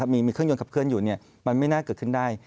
มีเครื่องยนต์ขับเคลื่อนอยู่มันไม่น่าเกิดขึ้นได้